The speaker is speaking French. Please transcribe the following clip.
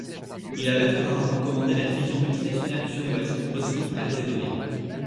Il avait auparavant commandé la division multinationale du sud-ouest en Bosnie-Herzégovine.